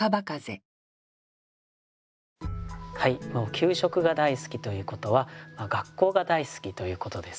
「給食が大好き」ということは学校が大好きということですよね。